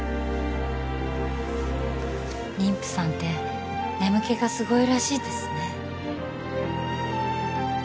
妊婦さんって眠気がすごいらしいですね